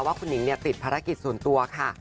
ว่าคุณหิงติดภารกิจส่วนตัวค่ะ